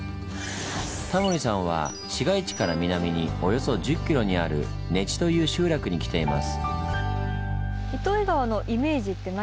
タモリさんは市街地から南におよそ１０ｋｍにある根知という集落に来ています。